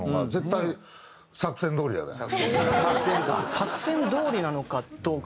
作戦どおりなのかどうか。